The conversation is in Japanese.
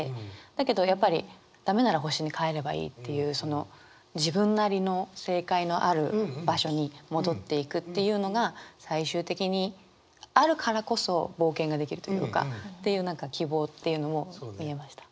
だけどやっぱり「ダメなら星に帰ればいい」っていうその自分なりの正解のある場所に戻っていくっていうのが最終的にあるからこそ冒険ができるというか。っていう何か希望っていうのも見えました。